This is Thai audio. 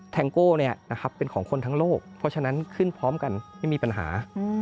แทงโก้เป็นของคนทั้งโลกเพราะฉะนั้นขึ้นพร้อมกันไม่มีปัญหา